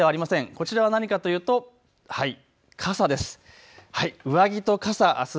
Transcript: こちらは何かというと傘です。